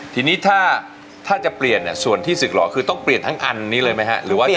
ทีนี้ถ้าจะเปลี่ยนส่วนที่ศึกหล่อคือต้องเปลี่ยนทั้งอันนี้เลยไหมฮะหรือว่า